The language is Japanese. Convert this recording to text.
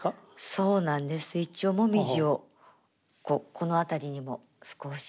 そうなんです一応紅葉をこの辺りにも少し。